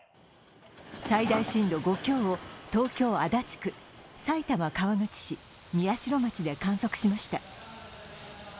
最大震度５強を東京・足立区、埼玉・川口市、宮代町で観測しました。